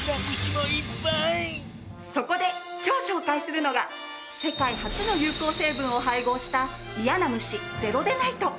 そこで今日紹介するのが世界初の有効成分を配合したイヤな虫ゼロデナイト。